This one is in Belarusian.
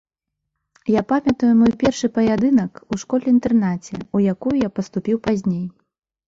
Я памятаю мой першы паядынак у школе-інтэрнаце, у якую я паступіў пазней.